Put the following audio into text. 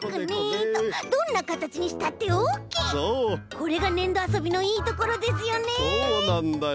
これがねんどあそびのいいところですよね！